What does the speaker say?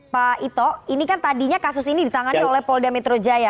pak ito ini kan tadinya kasus ini ditangani oleh polda metro jaya